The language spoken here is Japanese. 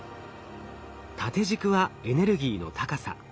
縦軸はエネルギーの高さ。